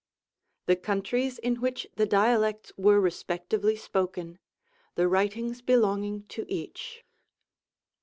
THE COHNTEIES EST WHICH THE DIALECTS WERE RESPECTIVELY SPOKEN. THE WBTHNGS BELONGING TO EACH.